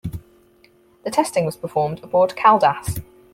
The testing was performed aboard "Caldas".